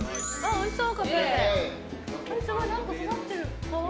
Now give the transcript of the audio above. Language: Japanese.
おいしそう。